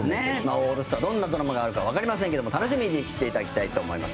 オールスター、どんなドラマがあるか、わかりませんけども楽しみにしていただきたいと思います。